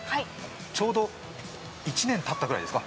ちょうど１年たったくらいですか。